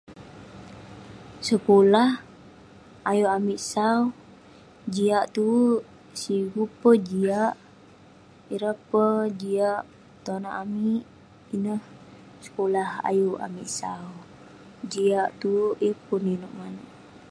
Sekulah ayuk amik sau, jiak tue. Sigu peh jiak, ireh peh jiak tonak amik. Ineh sekulah ayuk amik sau, jiak tue yeng pun inouk manouk.